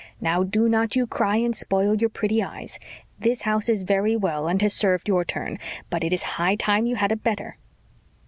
Now, do not you cry and spoil your pretty eyes. This house is very well and has served your turn, but it is high time you had a better."